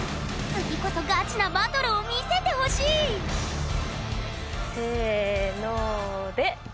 次こそガチなバトルを見せてほしい！せので！